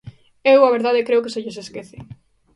Eu, a verdade, creo que se lles esquece.